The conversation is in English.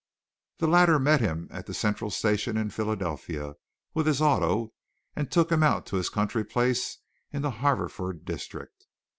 The latter met him at the central station in Philadelphia with his auto and took him out to his country place in the Haverford district.